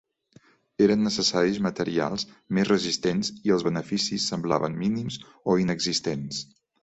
Eren necessaris materials més resistents i els beneficis semblaven mínims o inexistents.